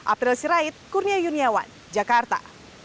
april sirait kurnia yuniawan jakarta